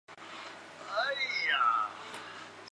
遂吸收众多渴望消灾除难的人入道。